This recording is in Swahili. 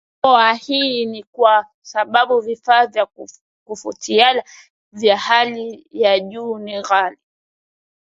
mikoa Hii ni kwa sababu vifaa vya kufuatilia vya hali ya juu ni ghali